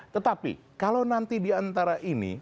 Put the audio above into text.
tetapi kalau nanti diantara ini